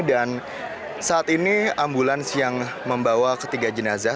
dan saat ini ambulans yang membawa ketiga jenazah